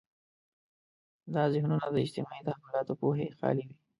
دا ذهنونه د اجتماعي تحولاتو پوهې خالي وي.